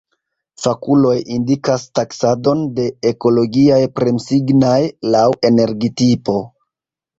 Fakuloj indikas taksadon de ekologiaj premsignaj laŭ energitipo.